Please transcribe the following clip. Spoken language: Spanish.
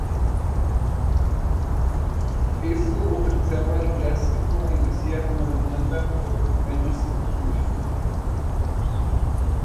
Esto autorizaba al plástico a iniciar una demanda por daños y perjuicios.